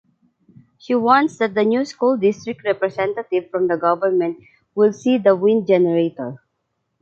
She wants that the new school district representative from the government will see the wind generator.